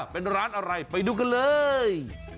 เป็นร้านอะไรไปดูกันเลย